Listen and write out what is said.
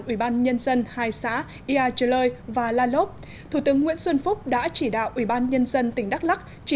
ubnd hai xã yà trời lợi và la lốp thủ tướng nguyễn xuân phúc đã chỉ đạo ubnd tỉnh đắk lắc chỉ